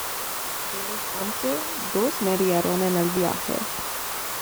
De los once, dos murieron en el viaje.